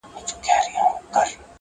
سهار چي له خلوته را بهر سې خندا راسي!.